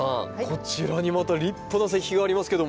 こちらにまた立派な石碑がありますけども。